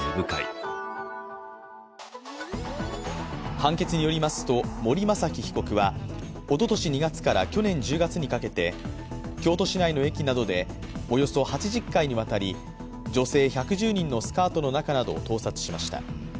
判決によりますと森雅紀被告はおととし２月から去年１０月にかけて京都市内の駅などでおよそ８０回にわたり女性１１０人のスカートの中などを盗撮しました。